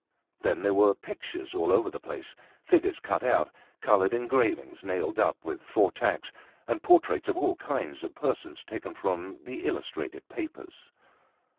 Then there were pictures all over the place, figures cut out, colored engravings nailed up with four tacks, and portraits of all kinds of persons taken from the illustrated papers.